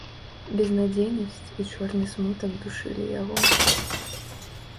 Безнадзейнасць і чорны смутак душылі яго.